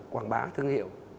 quảng bá thương hiệu